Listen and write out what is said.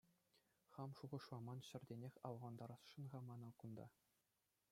Хам шухӑшламан ҫӗртенех авлантарасшӑн-ха мана кунта.